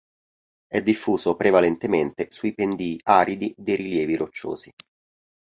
È diffuso prevalentemente sui pendii aridi dei rilievi rocciosi.